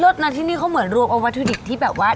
นะที่นี่เขาเหมือนรวมเอาวัตถุดิบที่แบบว่า